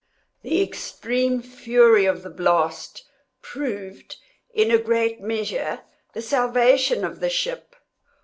The extreme fury of the blast proved, in a great measure, the salvation of the ship.